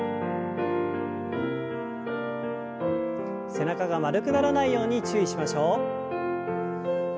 背中が丸くならないように注意しましょう。